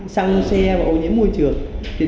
xăng xe và ô nhiễm môi trường